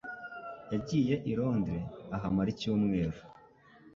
Yagiye i Londres, ahamara icyumweru.